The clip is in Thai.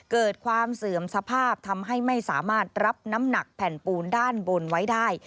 เกิดความเสื่อมสภาพทำให้ไม่สามารถรับน้ำหนักแผ่นปูนด้านบนไว้ได้